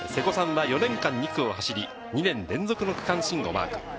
瀬古さんは４年間２区を走り、２年連続の区間新をマーク。